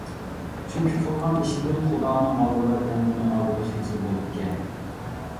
چۈنكى قىلغان ئىشىدىن خۇدانىڭ ئالدىدا، بەندىنىڭ ئالدىدا خىجىل بولىدىكەن.